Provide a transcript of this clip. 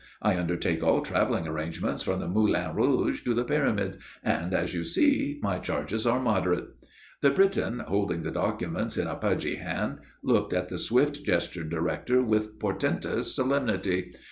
I undertake all travelling arrangements, from the Moulin Rouge to the Pyramids, and, as you see, my charges are moderate." The Briton, holding the documents in a pudgy hand, looked at the swift gestured director with portentous solemnity.